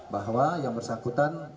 bahwa yang bersangkutan